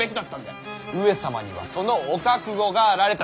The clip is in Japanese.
上様にはそのお覚悟があられた。